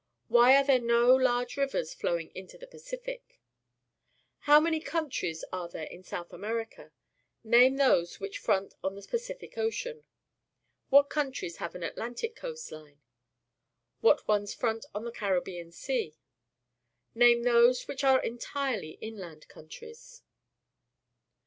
Why are there no large rivers flowing into the Pacific? How many count ries are there in South America ? Name those which front on the Pacific Ocean. What countries have an Atlantic coast line? What ones front on the Caribbean Sea? Name those which are entirely inland countries.